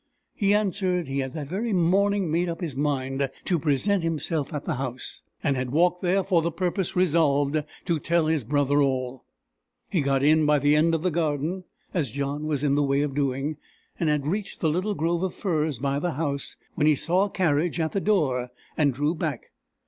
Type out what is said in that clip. He answered he had that very morning made up his mind to present himself at the house, and had walked there for the purpose, resolved to tell his brother all. He got in by the end of the garden, as John was in the way of doing, and had reached the little grove of firs by the house, when he saw a carriage at the door, and drew back.